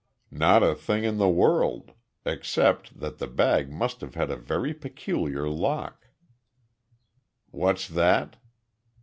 "Not a thing in the world, except that the bag must have had a very peculiar lock." "What's that?"